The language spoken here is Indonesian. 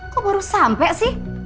kok baru sampe sih